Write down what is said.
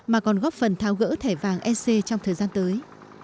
mà còn góp phần tháo gỡ thẻ vàng ec trong thời gian tới